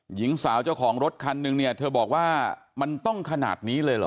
หญิงสาวเจ้าของรถคันนึงเนี่ยเธอบอกว่ามันต้องขนาดนี้เลยเหรอ